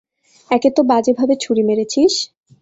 একে তো বাজেভাবে ছুরি মেরেছিস।